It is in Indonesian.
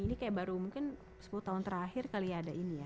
ini kayak baru mungkin sepuluh tahun terakhir kali ya ada ini ya